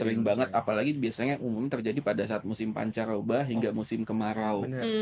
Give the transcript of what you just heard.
sering banget apalagi biasanya umumnya terjadi pada saat musim pancar oba hingga musim kemarau